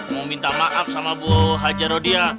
mau minta maaf sama buah haji rodia